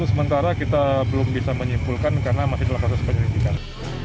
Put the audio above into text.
sementara kita belum bisa menyimpulkan karena masih dalam proses penyelidikan